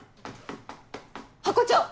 ハコ長！